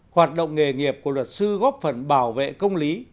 hoạt động nghề nghiệp của luật sư góp phần bảo vệ công lý